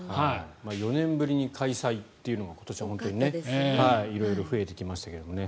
４年ぶりに開催というのが今年は本当に色々増えてきましたけれどね。